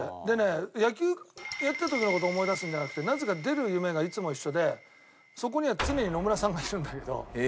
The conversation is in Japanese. でね野球やってる時の事を思い出すんじゃなくてなぜか出る夢がいつも一緒でそこには常に野村さんがいるんだけど。